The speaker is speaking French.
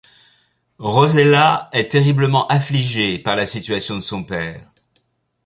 Rosella est terriblement affligée par la situation de son père.